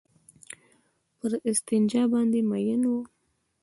پر استنجا باندې مئين وو.